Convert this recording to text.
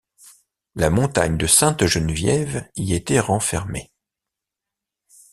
La montagne de Sainte-Geneviève y était renfermée.